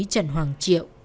trần hoàng triệu